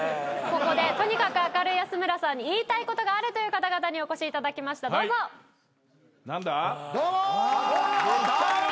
ここでとにかく明るい安村さんに言いたいことがあるという方々にお越しいただきましたどうぞ。